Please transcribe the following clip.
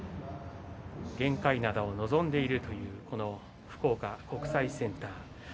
玄界灘を望んでいるこの福岡国際センター。